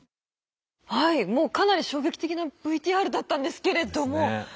はいもうかなり衝撃的なＶＴＲだったんですけれども。